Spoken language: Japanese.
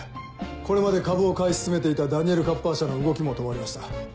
これまで株を買い進めていたダニエル・カッパー社の動きも止まりました。